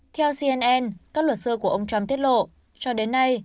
theo cnn các luật sư của ông trump tiết lộ cho đến nay